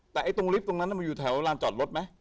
แต่ตรงลิฟต์ตรงนั้นมันอยู่แถวลานจอดรถไหม